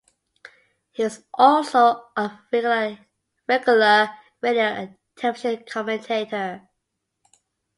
He was also a regular radio and television commentator.